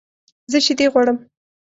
زه شیدې غواړم